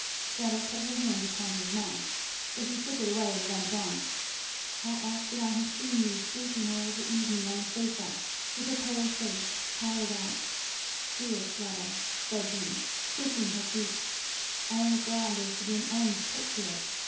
Fleda put her hand upon his mouth. But he took it away and went on "How often I have seen you sleeping all the evening on the sofa with a pale face, tired out Dear Fleda," said he kissing her cheek, "I am glad there's to be an end put to it.